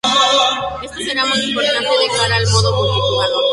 Esto será muy importante de cara al modo multijugador.